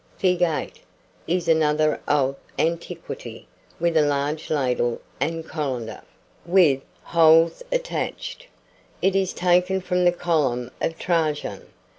Fig. 8 is another of antiquity, with a large ladle and colander, with holes attached. It is taken from the column of Trajan.